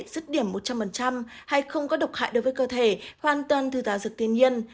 giất điểm một trăm linh hay không có độc hại đối với cơ thể hoàn toàn thư giá dược tiên nhiên